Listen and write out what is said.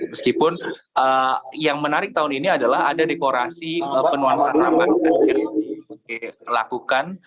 meskipun yang menarik tahun ini adalah ada dekorasi penuasan nama yang dilakukan